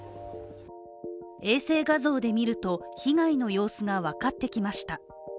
衛星画像で見ると、被害の様子が分かってきました。